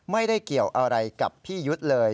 ไม่ได้เกี่ยวอะไรกับพี่ยุทธ์เลย